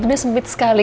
udah sempit sekali